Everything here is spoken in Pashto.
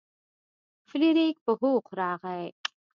فلیریک په هوښ راغی.